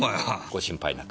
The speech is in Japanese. ご心配なく。